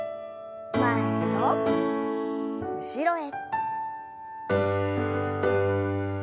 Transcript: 前と後ろへ。